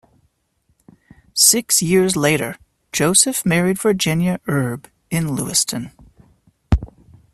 Six years later, Joseph married Virginia Erb in Lewistown.